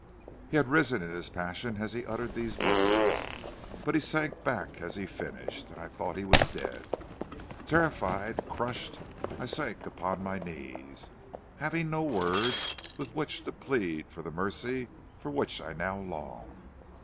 "He had risen in his passion as he uttered these words, but he sank back as he finished, and I thought he was dead. Terrified, crushed, I sank upon my knees, having no words with which to plead for the mercy for which I now longed.